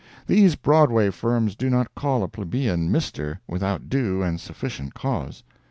These Broadway firms do not call a plebeian Mr. without due and sufficient cause.